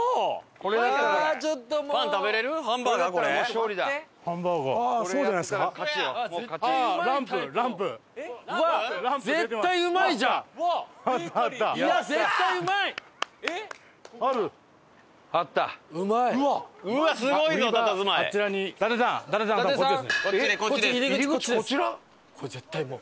これ絶対もう。